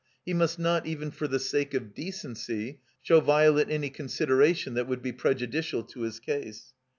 He must not, even for the sake of decency, show Violet any consideration that would be prej udicial to his case.